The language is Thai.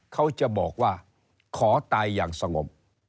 เขาจะบอกว่าขอตายอย่างสงบ